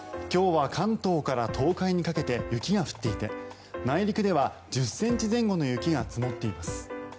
今日は関東から東海にかけて雪が降っていて内陸では１０ｃｍ前後の雪が積もっています。